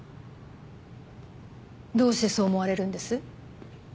どうしてそう思われるんです？